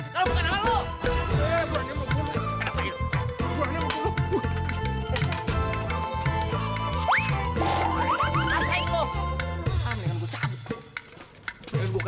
jauh sega banget jek